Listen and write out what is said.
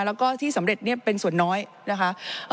แล้วก็ที่สำเร็จเป็นส่วนน้อยนะคะ